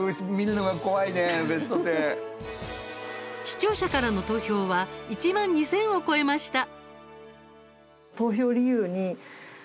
視聴者からの投票は１万２０００を超えました。